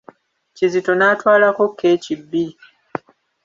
Kizito n'atwalako keeki bbiri.